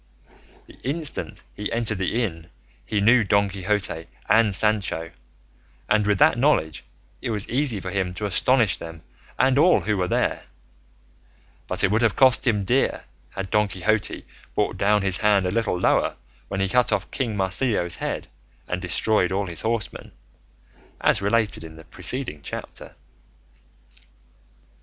The instant he entered the inn he knew Don Quixote and Sancho, and with that knowledge it was easy for him to astonish them and all who were there; but it would have cost him dear had Don Quixote brought down his hand a little lower when he cut off King Marsilio's head and destroyed all his horsemen, as related in the preceeding chapter.